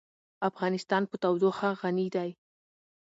افغانستان په تودوخه غني دی.